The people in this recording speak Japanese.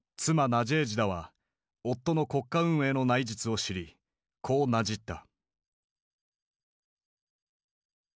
ナジェージダは夫の国家運営の内実を知りこうなじった。